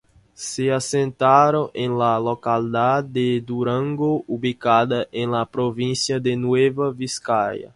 Se asentaron en la localidad de Durango, ubicada en la provincia de Nueva Vizcaya.